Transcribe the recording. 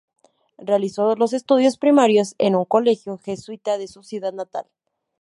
Realizó los estudios primarios en un colegio jesuita de su ciudad natal.